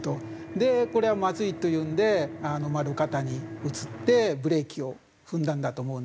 でこれはまずいというんで路肩に移ってブレーキを踏んだんだと思うんですが。